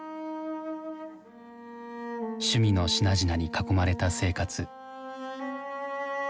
趣味の品々に囲まれた生活。